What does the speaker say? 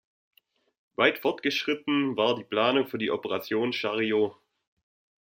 Weit fortgeschritten war die Planung für Operation Chariot.